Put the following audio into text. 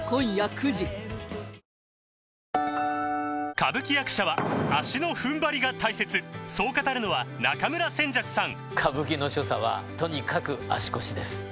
歌舞伎役者は足の踏ん張りが大切そう語るのは中村扇雀さん